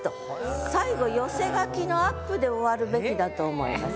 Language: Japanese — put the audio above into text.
最後寄せ書きのアップで終わるべきだと思います。